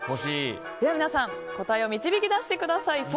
では皆さん答えを導き出してください。